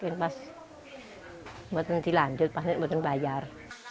saya tidak mau lanjut saya tidak mau bayar